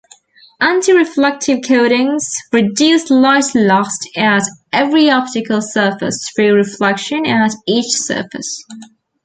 Anti-reflective coatings reduce light lost at every optical surface through reflection at each surface.